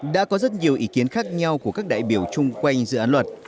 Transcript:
đã có rất nhiều ý kiến khác nhau của các đại biểu chung quanh dự án luật